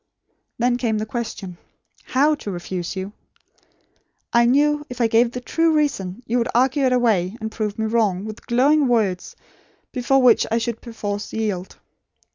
Then came the question: how to refuse you. I knew if I gave the true reason, you would argue it away, and prove me wrong, with glowing words, before which I should perforce yield.